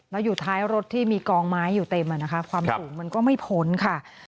แล้วอยู่ท้ายรถที่มีกองไม้อยู่เต็มความสูงมันก็ไม่พ้นค่ะ